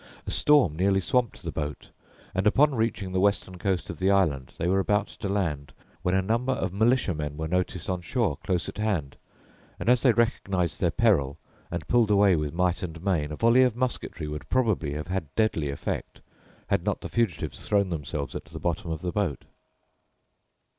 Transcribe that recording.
A storm nearly swamped the boat; and upon reaching the western coast of the island they were about to land, when a number of militiamen were noticed on shore, close at hand, and as they recognised their peril, and pulled away with might and main, a volley of musketry would probably have had deadly effect, had not the fugitives thrown themselves at the bottom of the boat.